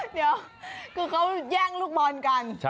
เดี๋ยวคือเขาแย่งลูกบอลกัน